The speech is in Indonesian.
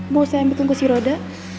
mau saya ambil tunggu si roda